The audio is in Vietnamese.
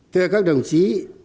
thưa các đồng chí